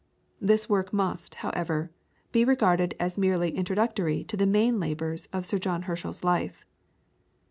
This work must, however, be regarded as merely introductory to the main labours of John Herschel's life.